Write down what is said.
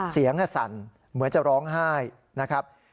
สั่นเหมือนจะร้องไห้นะครับ